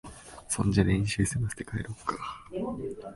そんじゃ練習すませて、帰ろっか。